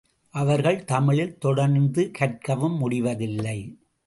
அவர்கள் தமிழில் தொடர்ந்து கற்கவும் முடிவதில்லை.